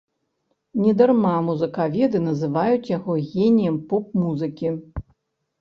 Не дарма музыкаведы называюць яго геніем поп-музыкі.